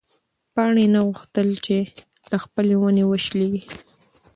پاڼې نه غوښتل چې له خپلې ونې وشلېږي.